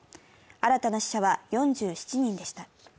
新たな死者は４７人でした。